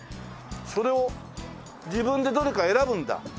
それを自分でどれか選ぶんだ。